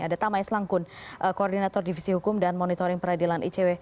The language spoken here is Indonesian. ada tamais langkun koordinator divisi hukum dan monitoring peradilan icw